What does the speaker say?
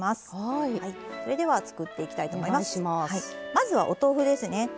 まずはお豆腐ですね。